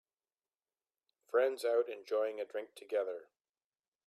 Friends out enjoying a drink together